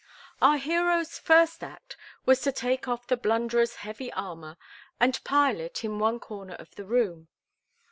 Our hero's first act was to take off the Blunderer's heavy armor and pile it in one corner of the room.